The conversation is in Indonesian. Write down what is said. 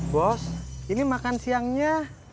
bos ini makan siangnya